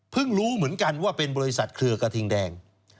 รู้เหมือนกันว่าเป็นบริษัทเครือกระทิงแดง